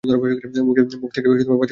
মুখ থেকে বাজে গন্ধ আসছিল!